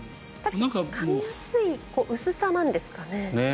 かみやすい薄さなんですかね？